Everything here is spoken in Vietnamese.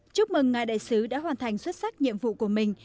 chúc mừng ngài đại sứ đã hoàn thành xuất sắc nhiệm vụ của mình